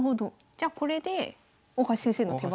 じゃこれで大橋先生の手番。